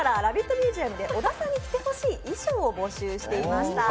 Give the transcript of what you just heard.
ミュージアムで小田さんに着てほしい衣装を募集していました。